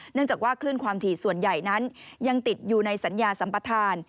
เนื่องจากว่าคลื่นความถี่ส่วนใหญ่นั้นยังติดอยู่ในสัญญาสัมปทาน